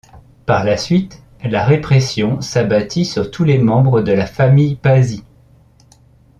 Par la suite, la répression s'abattit sur tous les membres de la famille Pazzi.